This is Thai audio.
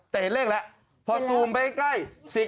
แต่เห็นเลขแล้วพอซูมไปใกล้